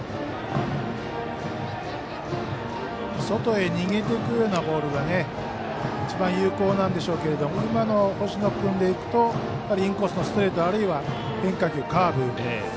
外へ逃げていくようなボールが一番、有効なんでしょうけど今の星野君でいくとやっぱりインコースのストレートあるいは変化球、カーブ。